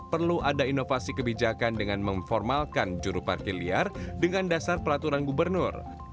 perlu ada inovasi kebijakan dengan memformalkan juru parkir liar dengan dasar peraturan gubernur